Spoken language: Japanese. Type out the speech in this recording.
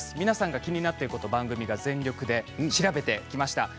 皆さんが気になっていることを全力で調べてきました。